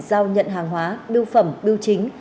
giao nhận hàng hóa biêu phẩm biêu chính